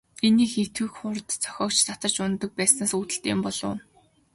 Энэ их идэвх хурд нь зохиогч татаж унадаг байснаас үүдэлтэй юм болов уу?